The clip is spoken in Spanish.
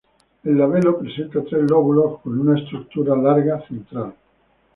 El labelo presenta tres lóbulos, con una estructura larga central.